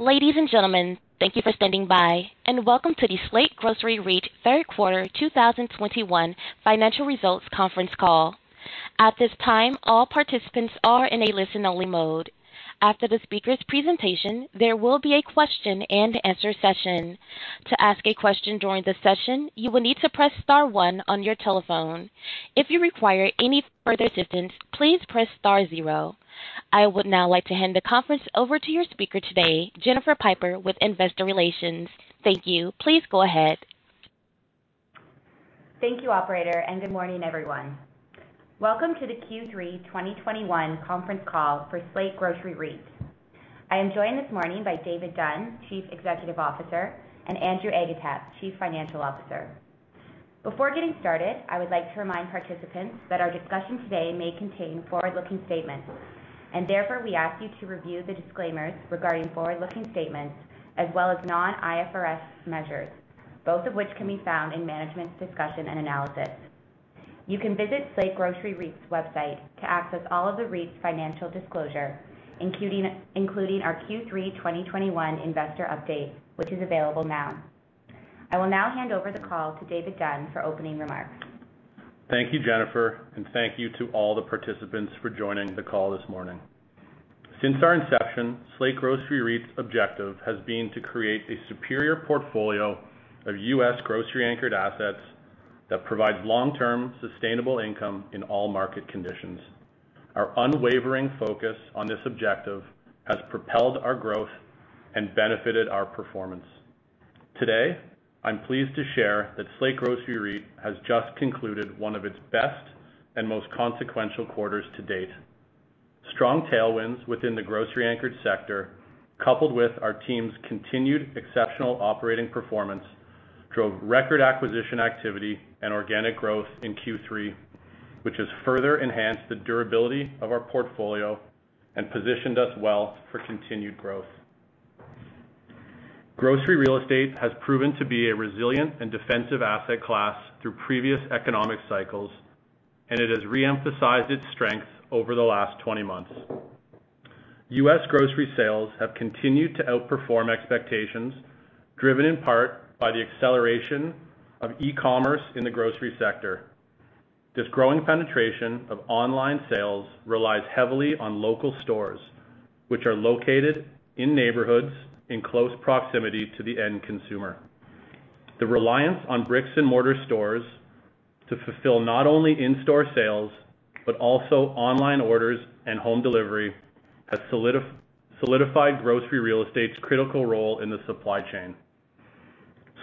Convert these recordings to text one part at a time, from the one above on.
Ladies and gentlemen, thank you for standing by, and welcome to the Slate Grocery REIT third quarter 2021 financial results conference call. At this time, all participants are in a listen-only mode. After the speaker's presentation, there will be a question and answer session. To ask a question during the session, you will need to press star one on your telephone. If you require any further assistance, please press star zero. I would now like to hand the conference over to your speaker today, Jennifer Pyper with Investor Relations. Thank you. Please go ahead. Thank you, operator, and good morning, everyone. Welcome to the Q3 2021 conference call for Slate Grocery REIT. I am joined this morning by David Dunn, Chief Executive Officer, and Andrew Agatep, Chief Financial Officer. Before getting started, I would like to remind participants that our discussion today may contain forward-looking statements, and therefore we ask you to review the disclaimers regarding forward-looking statements as well as non-IFRS measures, both of which can be found in management's discussion and analysis. You can visit Slate Grocery REIT's website to access all of the REIT's financial disclosure, including our Q3 2021 investor update, which is available now. I will now hand over the call to David Dunn for opening remarks. Thank you, Jennifer, and thank you to all the participants for joining the call this morning. Since our inception, Slate Grocery REIT's objective has been to create a superior portfolio of U.S. grocery-anchored assets that provide long-term sustainable income in all market conditions. Our unwavering focus on this objective has propelled our growth and benefited our performance. Today, I'm pleased to share that Slate Grocery REIT has just concluded one of its best and most consequential quarters to date. Strong tailwinds within the grocery-anchored sector, coupled with our team's continued exceptional operating performance, drove record acquisition activity and organic growth in Q3, which has further enhanced the durability of our portfolio and positioned us well for continued growth. Grocery-anchored real estate has proven to be a resilient and defensive asset class through previous economic cycles, and it has re-emphasized its strength over the last 20 months. U.S. grocery sales have continued to outperform expectations, driven in part by the acceleration of e-commerce in the grocery sector. This growing penetration of online sales relies heavily on local stores, which are located in neighborhoods in close proximity to the end consumer. The reliance on bricks and mortar stores to fulfill not only in-store sales, but also online orders and home delivery, has solidified grocery real estate's critical role in the supply chain.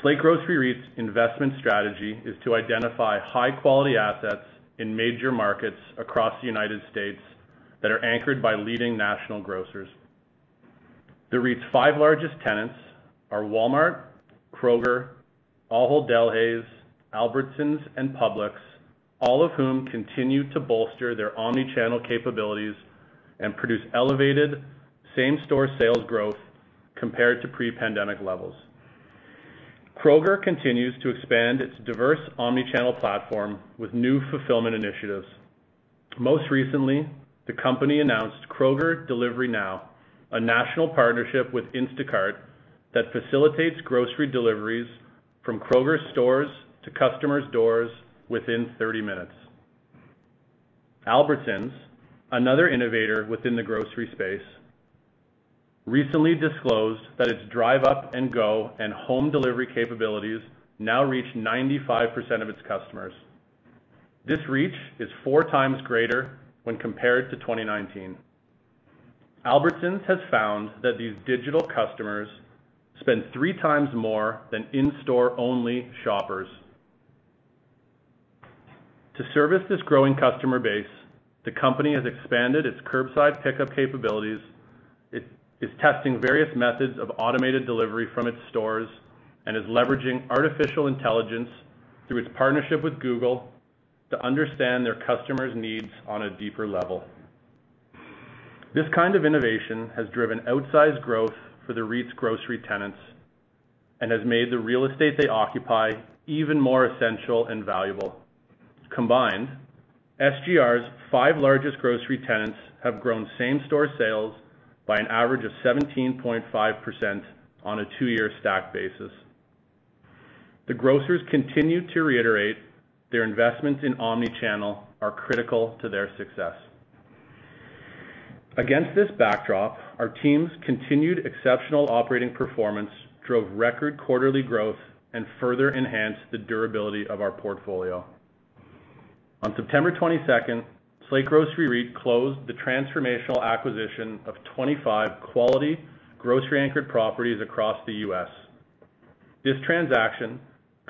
Slate Grocery REIT's investment strategy is to identify high quality assets in major markets across the United States that are anchored by leading national grocers. The REIT's five largest tenants are Walmart, Kroger, Ahold Delhaize, Albertsons, and Publix, all of whom continue to bolster their omni-channel capabilities and produce elevated same-store sales growth compared to pre-pandemic levels. Kroger continues to expand its diverse omni-channel platform with new fulfillment initiatives. Most recently, the company announced Kroger Delivery Now, a national partnership with Instacart that facilitates grocery deliveries from Kroger stores to customers' doors within 30 minutes. Albertsons, another innovator within the grocery space, recently disclosed that its Drive Up & Go and home delivery capabilities now reach 95% of its customers. This reach is 4x greater when compared to 2019. Albertsons has found that these digital customers spend 3x more than in-store only shoppers. To service this growing customer base, the company has expanded its curbside pickup capabilities. It is testing various methods of automated delivery from its stores and is leveraging artificial intelligence through its partnership with Google to understand their customers' needs on a deeper level. This kind of innovation has driven outsized growth for the REIT's grocery tenants and has made the real estate they occupy even more essential and valuable. Combined, SGR's five largest grocery tenants have grown same-store sales by an average of 17.5% on a two-year stack basis. The grocers continue to reiterate their investments in omni-channel are critical to their success. Against this backdrop, our team's continued exceptional operating performance drove record quarterly growth and further enhanced the durability of our portfolio. On September 22nd, Slate Grocery REIT closed the transformational acquisition of 25 quality grocery-anchored properties across the U.S. This transaction,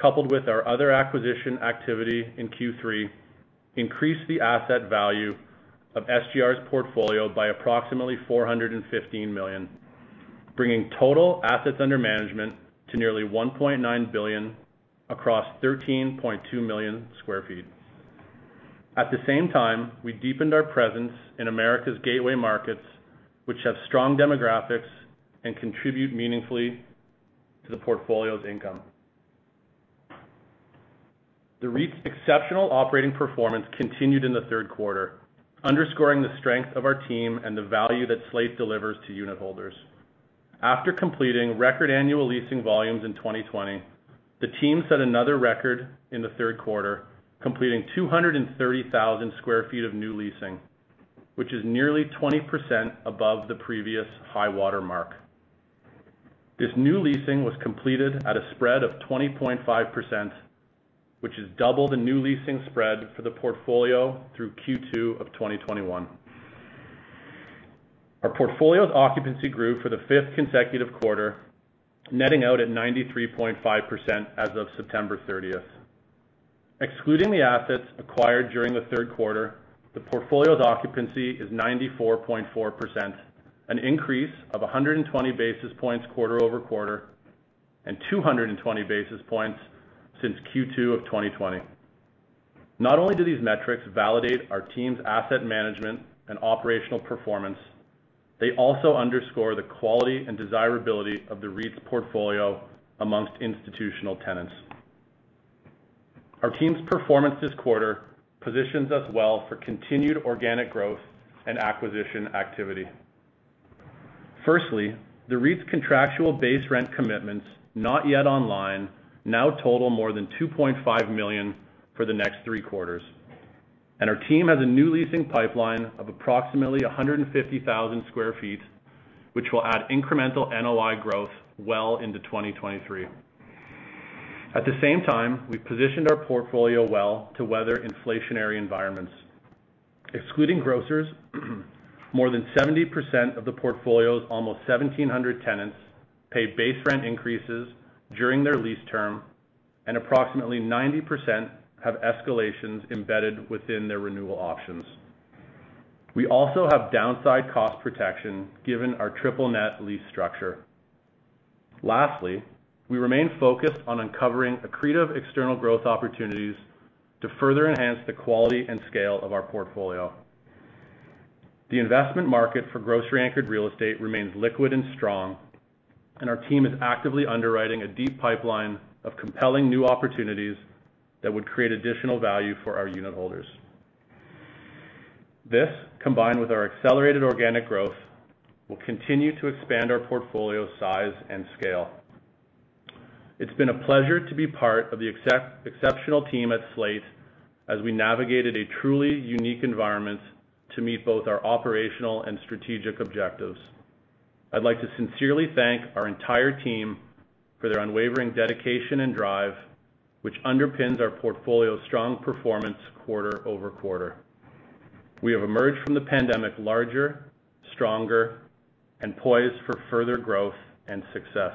coupled with our other acquisition activity in Q3, increased the asset value of SGR's portfolio by approximately $415 million, bringing total assets under management to nearly $1.9 billion across 13.2 million sq ft. At the same time, we deepened our presence in America's gateway markets, which have strong demographics and contribute meaningfully to the portfolio's income. The REIT's exceptional operating performance continued in the third quarter, underscoring the strength of our team and the value that Slate delivers to unitholders. After completing record annual leasing volumes in 2020, the team set another record in the third quarter, completing 230,000 sq ft of new leasing, which is nearly 20% above the previous high water mark. This new leasing was completed at a spread of 20.5%, which is double the new leasing spread for the portfolio through Q2 of 2021. Our portfolio's occupancy grew for the fifth consecutive quarter, netting out at 93.5% as of September 30th. Excluding the assets acquired during the third quarter, the portfolio's occupancy is 94.4%, an increase of 120 basis points quarter over quarter and 220 basis points since Q2 2020. Not only do these metrics validate our team's asset management and operational performance, they also underscore the quality and desirability of the REIT's portfolio amongst institutional tenants. Our team's performance this quarter positions us well for continued organic growth and acquisition activity. Firstly, the REIT's contractual base rent commitments, not yet online, now total more than $2.5 million for the next three quarters. Our team has a new leasing pipeline of approximately 150,000 sq ft, which will add incremental NOI growth well into 2023. At the same time, we positioned our portfolio well to weather inflationary environments. Excluding grocers, more than 70% of the portfolio's almost 1,700 tenants pay base rent increases during their lease term, and approximately 90% have escalations embedded within their renewal options. We also have downside cost protection given our triple net lease structure. Lastly, we remain focused on uncovering accretive external growth opportunities to further enhance the quality and scale of our portfolio. The investment market for grocery-anchored real estate remains liquid and strong, and our team is actively underwriting a deep pipeline of compelling new opportunities that would create additional value for our unitholders. This, combined with our accelerated organic growth, will continue to expand our portfolio size and scale. It's been a pleasure to be part of the exceptional team at Slate as we navigated a truly unique environment to meet both our operational and strategic objectives. I'd like to sincerely thank our entire team for their unwavering dedication and drive, which underpins our portfolio's strong performance quarter-over-quarter. We have emerged from the pandemic larger, stronger, and poised for further growth and success.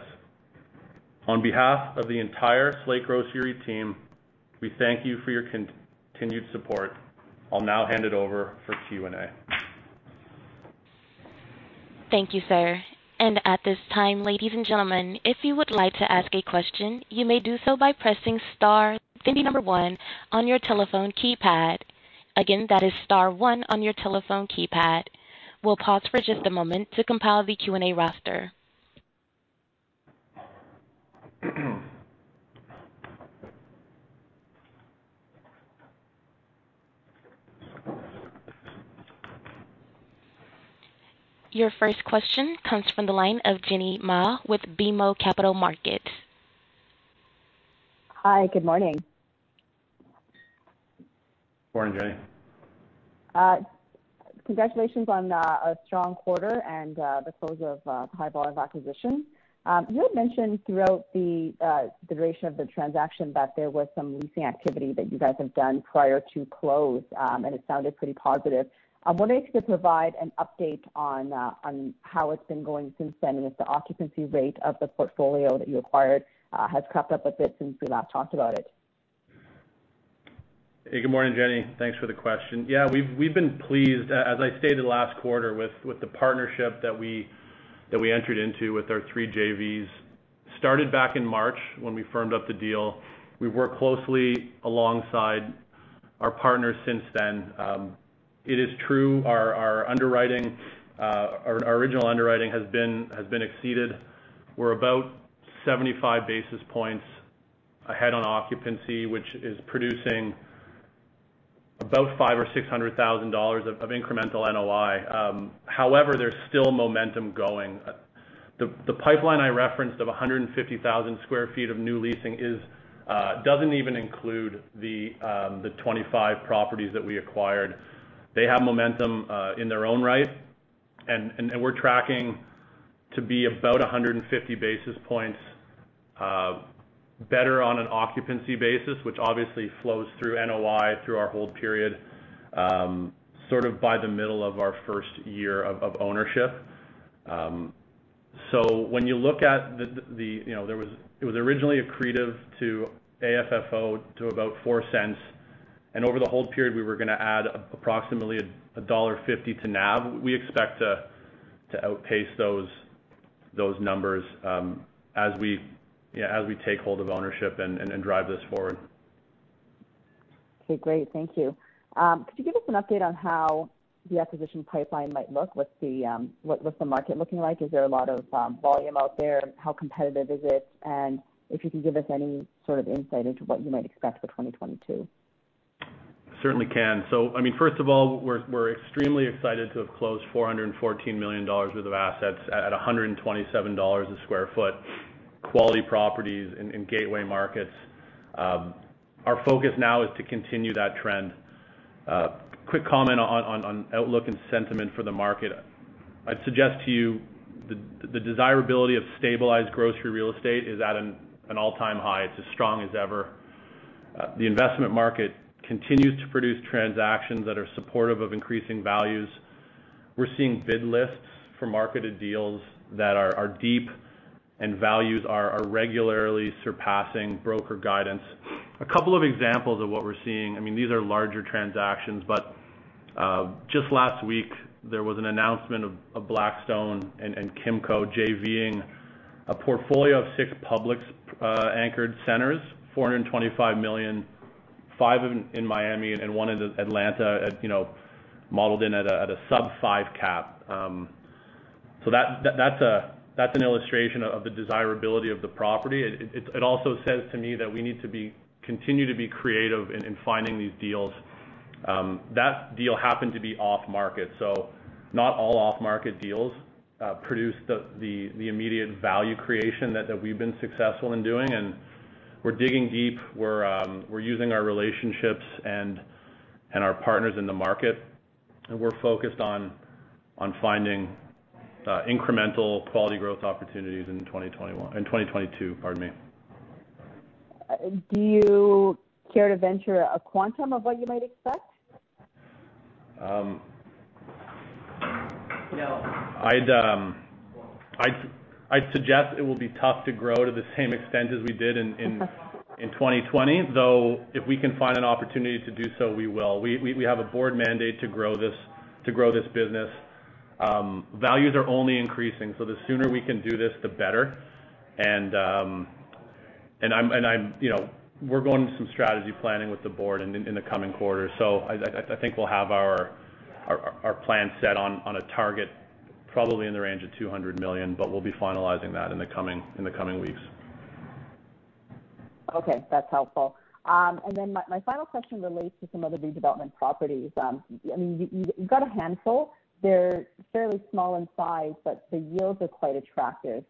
On behalf of the entire Slate Grocery team, we thank you for your continued support. I'll now hand it over for Q&A. Thank you, sir. At this time, ladies and gentlemen, if you would like to ask a question, you may do so by pressing star then one on your telephone keypad. Again, that is star one on your telephone keypad. We'll pause for just a moment to compile the Q&A roster. Your first question comes from the line of Jenny Ma with BMO Capital Markets. Hi, good morning. Morning, Jenny. Congratulations on a strong quarter and the close of the Annaly acquisition. You had mentioned throughout the duration of the transaction that there was some leasing activity that you guys have done prior to close, and it sounded pretty positive. I'm wondering if you could provide an update on how it's been going since then, and if the occupancy rate of the portfolio that you acquired has crept up a bit since we last talked about it. Hey, good morning, Jenny. Thanks for the question. Yeah, we've been pleased, as I stated last quarter, with the partnership that we entered into with our three JVs. Started back in March when we firmed up the deal. We've worked closely alongside our partners since then. It is true our original underwriting has been exceeded. We're about 75 basis points ahead on occupancy, which is producing about $500,000 or $600,000 of incremental NOI. However, there's still momentum going. The pipeline I referenced of 150,000 sq ft of new leasing doesn't even include the 25 properties that we acquired. They have momentum in their own right, and we're tracking to be about 150 basis points better on an occupancy basis, which obviously flows through NOI through our hold period, sort of by the middle of our first year of ownership. When you look at the, you know, it was originally accretive to AFFO to about $0.04. Over the hold period, we were gonna add approximately $1.50 to NAV. We expect to outpace those numbers as we, you know, as we take hold of ownership and drive this forward. Okay, great. Thank you. Could you give us an update on how the acquisition pipeline might look? What's the market looking like? Is there a lot of volume out there? How competitive is it? If you can give us any sort of insight into what you might expect for 2022. Certainly can. I mean, first of all, we're extremely excited to have closed $414 million worth of assets at $127 sq ft, quality properties in gateway markets. Our focus now is to continue that trend. Quick comment on outlook and sentiment for the market. I'd suggest to you the desirability of stabilized grocery real estate is at an all-time high. It's as strong as ever. The investment market continues to produce transactions that are supportive of increasing values. We're seeing bid lists for marketed deals that are deep and values are regularly surpassing broker guidance. A couple of examples of what we're seeing. I mean, these are larger transactions, but just last week there was an announcement of Blackstone and Kimco JV-ing a portfolio of six Publix anchored centers, $425 million, five in Miami and one in Atlanta at you know modeled in at a sub-five cap. That's an illustration of the desirability of the property. It also says to me that we need to continue to be creative in finding these deals. That deal happened to be off market, so not all off market deals produce the immediate value creation that we've been successful in doing. We're digging deep. We're using our relationships and our partners in the market, and we're focused on finding incremental quality growth opportunities in 2022, pardon me. Do you care to venture a quantum of what you might expect? I'd suggest it will be tough to grow to the same extent as we did in Okay. In 2020. Though, if we can find an opportunity to do so, we will. We have a board mandate to grow this business. Values are only increasing, so the sooner we can do this, the better. You know, we're going through some strategy planning with the board in the coming quarter. I think we'll have our plan set on a target probably in the range of $200 million, but we'll be finalizing that in the coming weeks. Okay, that's helpful. My final question relates to some of the redevelopment properties. I mean, you've got a handful. They're fairly small in size, but the yields are quite attractive.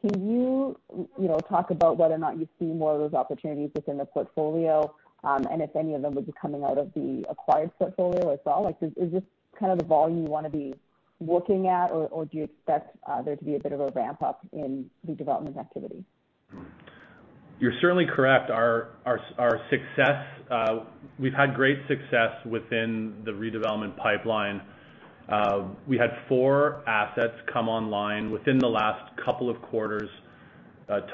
Can you know, talk about whether or not you see more of those opportunities within the portfolio? If any of them would be coming out of the acquired portfolio as well? Like, is this kind of the volume you wanna be looking at or do you expect there to be a bit of a ramp up in the development activity? You're certainly correct. Our success. We've had great success within the redevelopment pipeline. We had four assets come online within the last couple of quarters,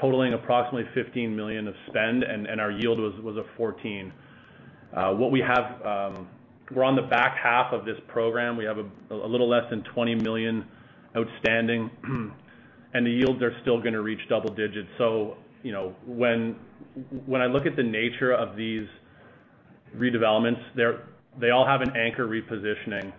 totaling approximately $15 million of spend, and our yield was 14%. We're on the back half of this program. We have a little less than $20 million outstanding, and the yields are still gonna reach double digits. You know, when I look at the nature of these redevelopments, they all have an anchor repositioning.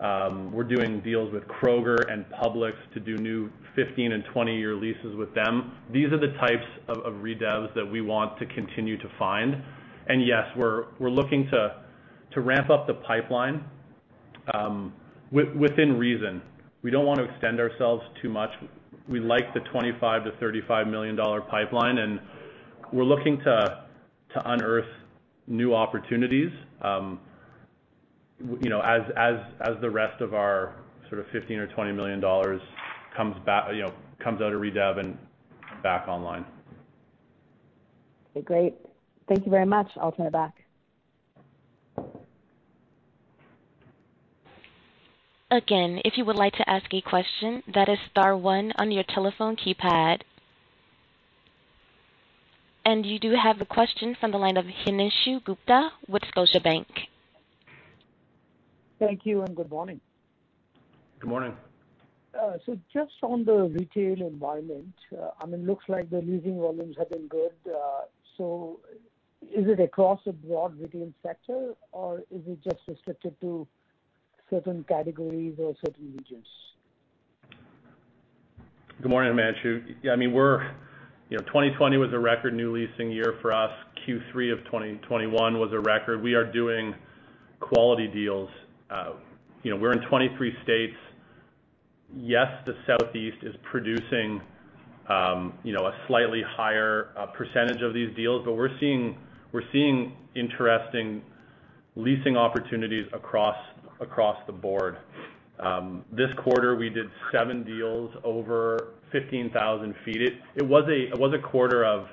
We're doing deals with Kroger and Publix to do new 15 and 20-year leases with them. These are the types of redevs that we want to continue to find. Yes, we're looking to ramp up the pipeline within reason. We don't want to extend ourselves too much. We like the $25 million-$35 million pipeline, and we're looking to unearth new opportunities, you know, as the rest of our sort of $15 million or $20 million comes back, you know, comes out of redev and back online. Okay, great. Thank you very much. I'll turn it back. Again, if you would like to ask a question, that is star one on your telephone keypad. You do have a question from the line of Himanshu Gupta with Scotiabank. Thank you and good morning. Good morning. Just on the retail environment, I mean, looks like the leasing volumes have been good. Is it across a broad retail sector or is it just restricted to certain categories or certain regions? Good morning, Himanshu. Yeah, I mean, you know, 2020 was a record new leasing year for us. Q3 of 2021 was a record. We are doing quality deals. You know, we're in 23 states. Yes, the Southeast is producing a slightly higher percentage of these deals. But we're seeing interesting leasing opportunities across the board. This quarter we did seven deals over 15,000 ft. It was a quarter of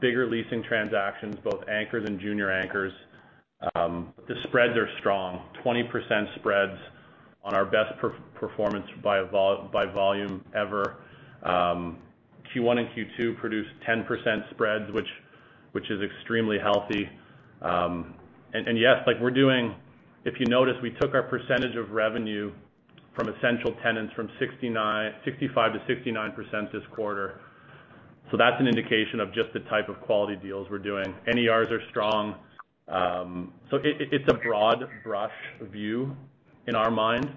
bigger leasing transactions, both anchors and junior anchors. The spreads are strong. 20% spreads on our best per-performance by volume ever. Q1 and Q2 produced 10% spreads, which is extremely healthy. And yes, like we're doing... If you notice, we took our percentage of revenue from essential tenants from 65% to 69% this quarter. That's an indication of just the type of quality deals we're doing. NERs are strong. It's a broad brush view in our mind.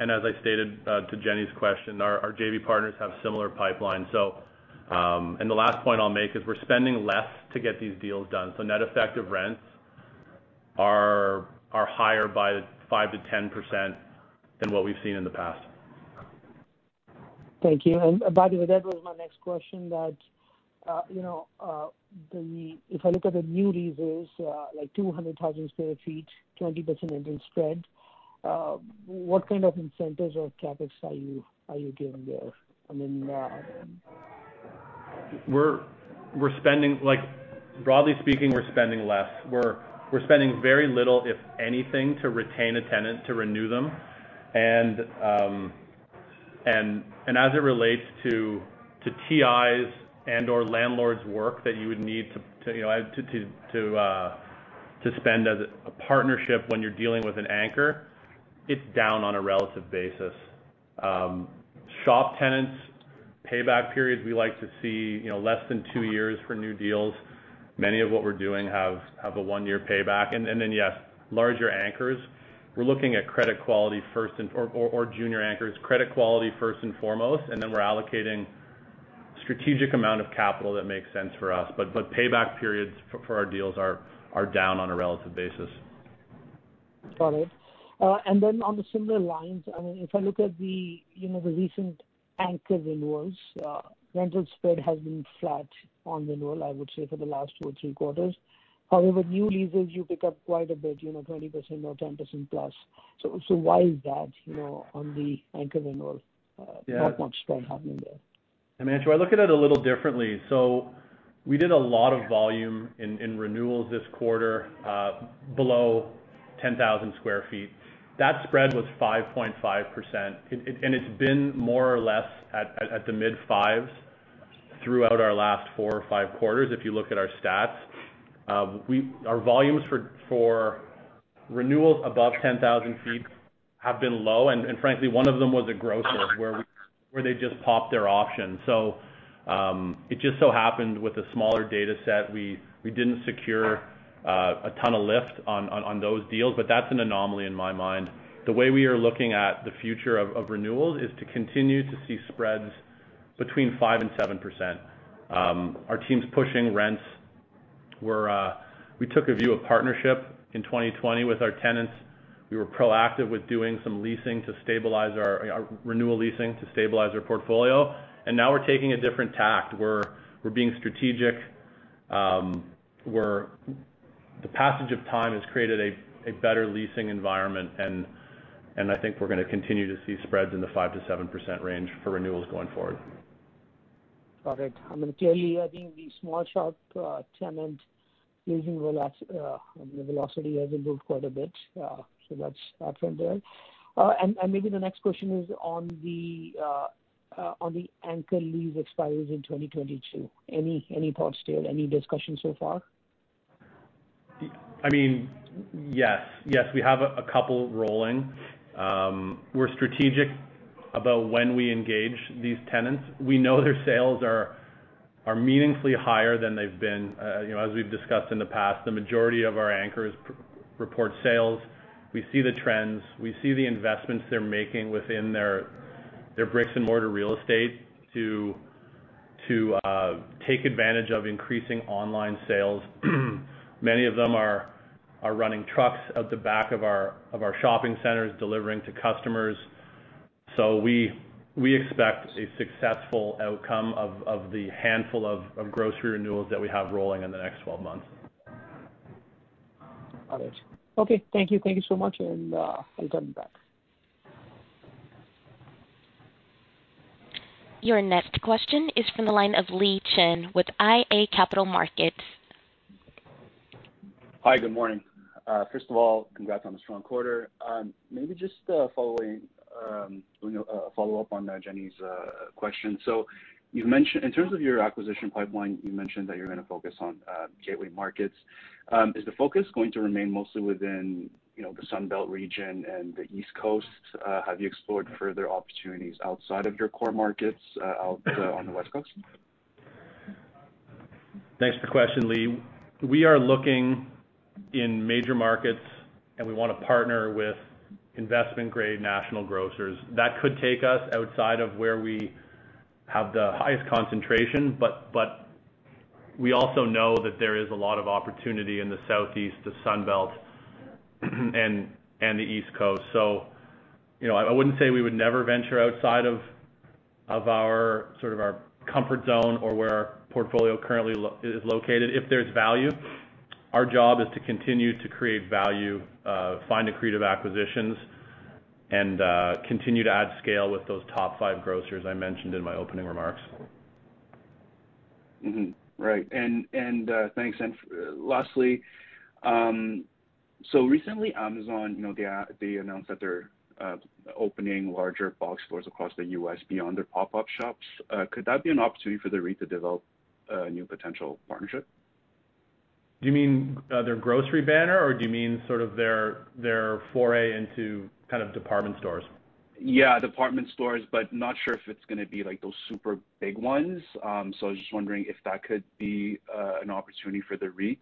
As I stated to Jenny's question, our JV partners have similar pipelines. The last point I'll make is we're spending less to get these deals done. Net effect of rents are higher by 5%-10% than what we've seen in the past. Thank you. By the way, that was my next question, that, you know, if I look at the new leases, like 200,000 sq ft, 20% rental spread, what kind of incentives or CapEx are you giving there? I mean... We're spending less. Broadly speaking, we're spending less. We're spending very little, if anything, to retain a tenant to renew them. As it relates to TIs and/or landlords work that you would need to, you know, spend as a partnership when you're dealing with an anchor, it's down on a relative basis. Shop tenants payback periods, we like to see, you know, less than two years for new deals. Many of what we're doing have a one-year payback. Then, yes, larger anchors, we're looking at credit quality first and or junior anchors, credit quality first and foremost, and then we're allocating strategic amount of capital that makes sense for us. Payback periods for our deals are down on a relative basis. Got it. On similar lines, I mean, if I look at the, you know, the recent anchor renewals, rental spread has been flat on renewal, I would say, for the last two or three quarters. However, new leases, you pick up quite a bit, you know, 20% or 10%+. Why is that, you know, on the anchor renewals? Yeah. not much spread happening there? I mean, I look at it a little differently. We did a lot of volume in renewals this quarter, below 10,000 sq ft. That spread was 5.5%. It's been more or less at the mid fives throughout our last four or five quarters, if you look at our stats. Our volumes for renewals above 10,000 ft have been low, and frankly, one of them was a grocer where they just popped their option. It just so happened with a smaller data set, we didn't secure a ton of lift on those deals, but that's an anomaly in my mind. The way we are looking at the future of renewals is to continue to see spreads between 5%-7%. Our team's pushing rents. We took a view of partnership in 2020 with our tenants. We were proactive with doing some leasing to stabilize our renewal leasing to stabilize our portfolio. Now we're taking a different tack. We're being strategic. The passage of time has created a better leasing environment, and I think we're gonna continue to see spreads in the 5%-7% range for renewals going forward. Got it. I mean, clearly, I think the small shop tenant leasing velocity has improved quite a bit. That's that one there. Maybe the next question is on the anchor lease expires in 2022. Any thoughts there? Any discussions so far? I mean, yes. Yes, we have a couple rolling. We're strategic about when we engage these tenants. We know their sales are meaningfully higher than they've been. You know, as we've discussed in the past, the majority of our anchors report sales. We see the trends, we see the investments they're making within their bricks and mortar real estate to take advantage of increasing online sales. Many of them are running trucks at the back of our shopping centers delivering to customers. We expect a successful outcome of the handful of grocery renewals that we have rolling in the next 12 months. Got it. Okay, thank you. Thank you so much, and I'll turn it back. Your next question is from the line of Li Chen with iA Capital Markets. Hi, good morning. First of all, congrats on the strong quarter. Maybe just a follow-up on, you know, Jenny's question. In terms of your acquisition pipeline, you mentioned that you're gonna focus on gateway markets. Is the focus going to remain mostly within, you know, the Sun Belt region and the East Coast? Have you explored further opportunities outside of your core markets out on the West Coast? Thanks for the question, Li. We are looking in major markets, and we wanna partner with investment-grade national grocers. That could take us outside of where we have the highest concentration, but we also know that there is a lot of opportunity in the Southeast, the Sun Belt, and the East Coast. You know, I wouldn't say we would never venture outside of our sort of comfort zone or where our portfolio currently is located if there's value. Our job is to continue to create value, find accretive acquisitions and continue to add scale with those top five grocers I mentioned in my opening remarks. Mm-hmm. Right. Thanks. Lastly, recently, Amazon, you know, they announced that they're opening larger box stores across the U.S. beyond their pop-up shops. Could that be an opportunity for the REIT to develop a new potential partnership? Do you mean their grocery banner or do you mean sort of their foray into kind of department stores? Yeah, department stores, but not sure if it's gonna be like those super big ones. I was just wondering if that could be an opportunity for the REITs.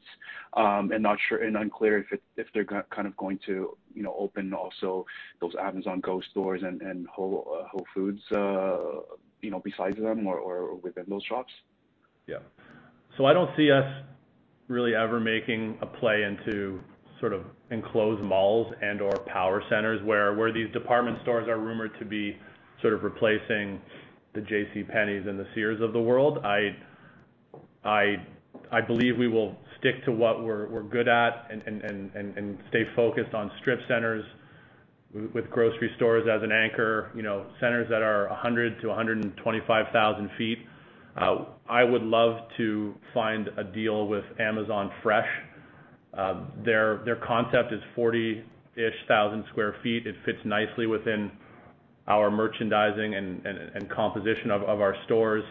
Unclear if they're kind of going to, you know, open also those Amazon Go stores and Whole Foods, you know, besides them or within those shops. I don't see us really ever making a play into sort of enclosed malls and/or power centers where these department stores are rumored to be sort of replacing the JCPenney's and the Sears of the world. I believe we will stick to what we're good at and stay focused on strip centers with grocery stores as an anchor. You know, centers that are 100,000 ft-125,000 ft. I would love to find a deal with Amazon Fresh. Their concept is 40,000-ish sq ft. It fits nicely within our merchandising and composition of our stores.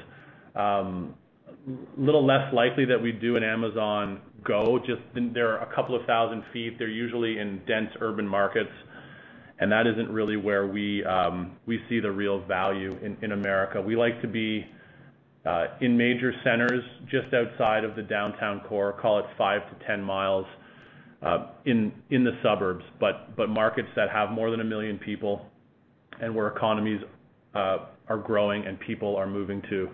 Little less likely that we do an Amazon Go, just they're a couple thousand feet. They're usually in dense urban markets, and that isn't really where we see the real value in in America. We like to be in major centers just outside of the downtown core, call it 5 mi-10 mi, in the suburbs, but markets that have more than 1 million people and where economies are growing and people are moving to.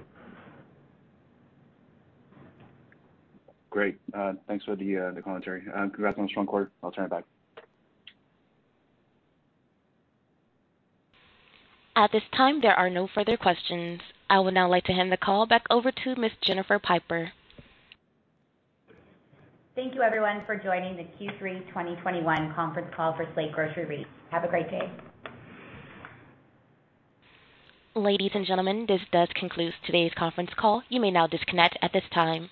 Great. Thanks for the commentary. Congrats on a strong quarter. I'll turn it back. At this time, there are no further questions. I would now like to hand the call back over to Ms. Jennifer Pyper. Thank you everyone for joining the Q3 2021 conference call for Slate Grocery REIT. Have a great day. Ladies and gentlemen, this does conclude today's conference call. You may now disconnect at this time.